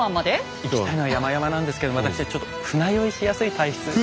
行きたいのはやまやまなんですけど私ちょっと船酔いしやすい体質でして。